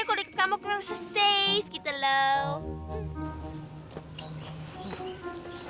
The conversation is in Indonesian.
kalo deket kamu aku bisa safe gitu loh